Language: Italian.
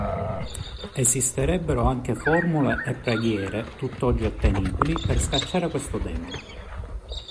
Esisterebbero anche formule e preghiere tutt'oggi ottenibili per scacciare questo demone.